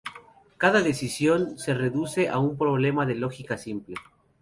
Cada decisión se reduce a un problema de lógica simple.